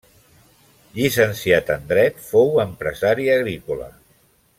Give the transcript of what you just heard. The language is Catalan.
Llicenciat en Dret, fou empresari agrícola.